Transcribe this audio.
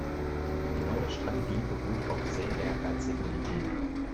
Die neue Strategie beruht auf sehr ehrgeizigen Ideen.